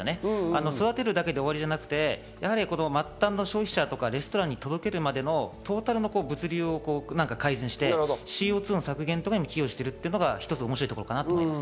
育てるだけで終わりじゃなくて、末端の消費者とか、レストランに届けるまでのトータルの物流を改善してＣＯ２の削減とかにも寄与しているのが一つ面白いところだと思います。